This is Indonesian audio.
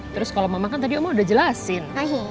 terus kalau mama kan tadi omo udah jelasin